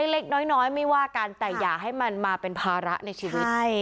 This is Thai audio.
เล็กน้อยไม่ว่ากันแต่อย่าให้มันมาเป็นภาระในชีวิต